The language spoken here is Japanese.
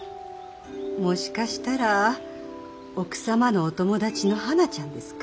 もしかしたら奥様のお友達のはなちゃんですか？